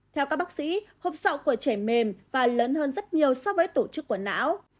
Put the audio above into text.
theo các bác sĩ hộp sọ của trẻ mềm và lớn hơn rất nhiều so với tổ chức quần áo